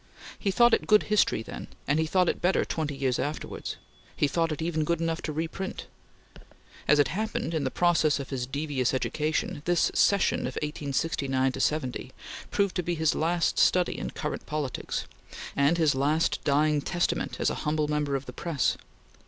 He thought it good history then, and he thought it better twenty years afterwards; he thought it even good enough to reprint. As it happened, in the process of his devious education, this "Session" of 1869 70 proved to be his last study in current politics, and his last dying testament as a humble member of the press.